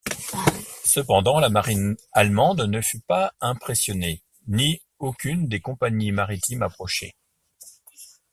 Cependant, la marine allemande ne fut pas impressionnée, ni aucune des compagnies maritimes approchées.